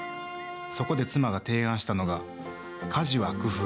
そこで妻が提案したのが、家事は工夫！